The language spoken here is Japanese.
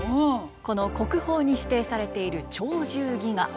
この国宝に指定されている「鳥獣戯画」。